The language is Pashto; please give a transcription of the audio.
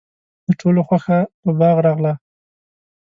د ټولو خوښه په باغ راغله.